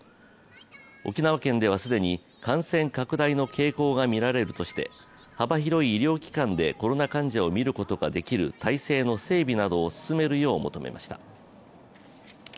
沖縄県では既に感染拡大の傾向がみられるとして幅広い医療機関でコロナ患者をみることができる体制の整備などを進めるよう求めました。